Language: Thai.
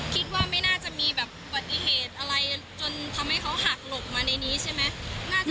คิดว่าไม่น่าจะมีแบบอุบัติเหตุอะไรจนทำให้เขาหักหลบมาในนี้ใช่ไหม